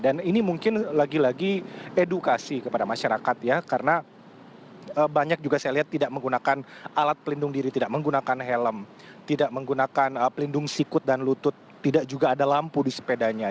dan ini mungkin lagi lagi edukasi kepada masyarakat ya karena banyak juga saya lihat tidak menggunakan alat pelindung diri tidak menggunakan helm tidak menggunakan pelindung sikut dan lutut tidak juga ada lampu di sepedanya